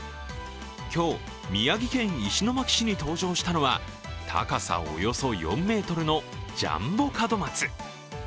今日、宮城県石巻市に登場したのは高さおよそ４ｍのジャンボ門松。